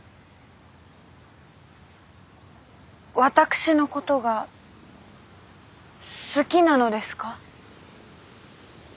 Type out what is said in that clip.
私のことが好きなのですか？